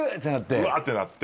「うわ！」ってなって。